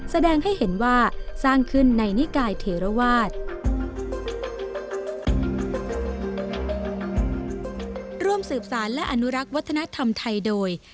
แสดงให้เห็นว่าสร้างขึ้นในนิกายเถระวาส